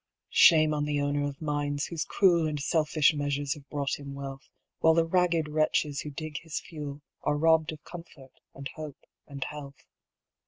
Shame on the owner of mines whose cruel And selfish measures have brought him wealth, While the ragged wretches who dig his fuel Are robbed of comfort and hope and health.